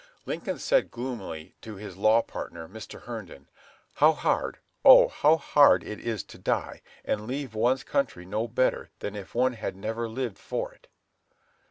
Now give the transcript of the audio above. Lincoln said gloomily to his law partner, Mr. Herndon, "How hard, oh, how hard it is to die and leave one's country no better than if one had never lived for it!"